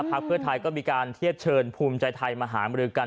เพื่อไทยก็มีการเทียบเชิญภูมิใจไทยมาหามรือกัน